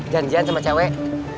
janjian sama cewek